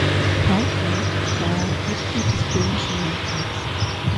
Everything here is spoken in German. Hardtmuth war Mitglied des Böhmischen Landtags.